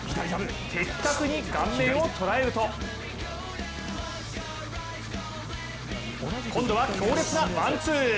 的確に顔面を捉えると今度は強烈なワンツー。